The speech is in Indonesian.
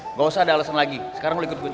eh gak usah ada alasan lagi sekarang lo ikut gue